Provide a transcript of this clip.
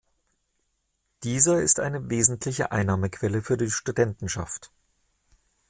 Dieser ist eine wesentliche Einnahmequelle für die Studentenschaft.